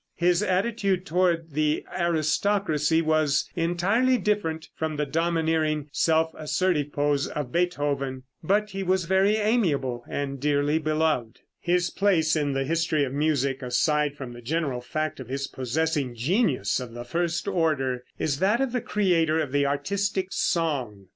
His attitude toward the aristocracy was entirely different from the domineering, self assertive pose of Beethoven, but he was very amiable, and dearly beloved. [Illustration: Fig. 67. FRANZ SCHUBERT.] His place in the history of music, aside from the general fact of his possessing genius of the first order, is that of the creator of the artistic song.